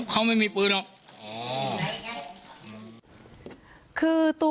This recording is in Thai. พ่อของสทเปี๊ยกบอกว่า